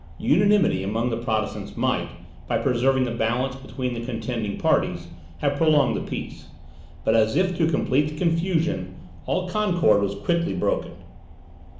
Unanimity amongst the Protestants might, by preserving the balance between the contending parties, have prolonged the peace; but as if to complete the confusion, all concord was quickly broken.